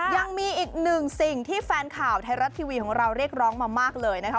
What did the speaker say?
ยังมีอีกหนึ่งสิ่งที่แฟนข่าวไทยรัฐทีวีของเราเรียกร้องมามากเลยนะคะ